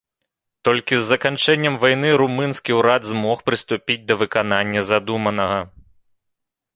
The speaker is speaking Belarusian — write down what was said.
Толькі з заканчэннем вайны румынскі ўрад змог прыступіць да выканання задуманага.